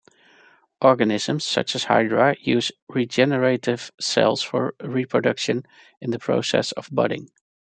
Organisms such as hydra use regenerative cells for reproduction in the process of budding.